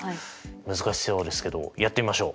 難しそうですけどやってみましょう。